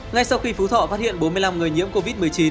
ngay sau khi phú thọ phát hiện bốn mươi năm người nhiễm covid một mươi chín